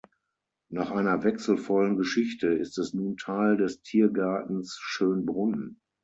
Nach einer wechselvollen Geschichte ist es nun Teil des Tiergartens Schönbrunn.